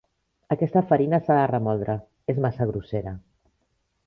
Aquesta farina s'ha de remoldre: és massa grossera.